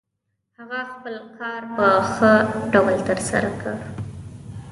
هغه خپل کار په ښه ډول ترسره کړ.